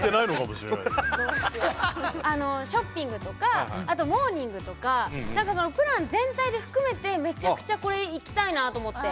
ショッピングとかあとモーニングとか何かそのプラン全体で含めてめちゃくちゃこれ行きたいなと思って。